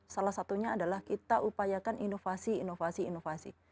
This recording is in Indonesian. salah satunya adalah kita upayakan inovasi inovasi inovasi